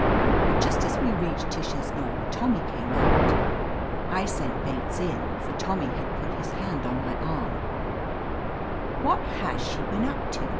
But just as we reached Tish's door Tommy came out I sent Bates in, for Tommy had put his hand on my arm, "What has she been up to?"